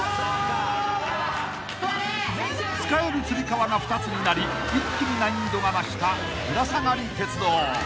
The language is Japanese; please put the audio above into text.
［使えるつり革が２つになり一気に難易度が増したぶら下がり鉄道］